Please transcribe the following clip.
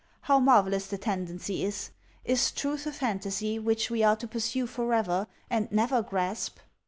How marvelous the tendency is. Is truth a fantasy which we are to pursue forever and never grasp?"